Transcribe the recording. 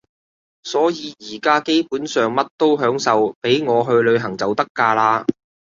所以而家基本上乜都享受，畀我去旅行就得㗎喇